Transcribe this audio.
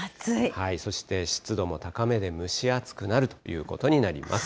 そして湿度も高めで蒸し暑くなるということになります。